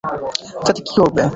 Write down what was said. তাকে কী করবে?